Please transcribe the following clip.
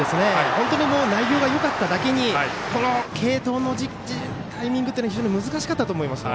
本当に内容がよかっただけにこの継投のタイミングというのは非常に難しかったと思います。